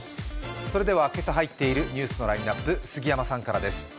それでは今朝入っているニュースのラインナップ、杉山さんです。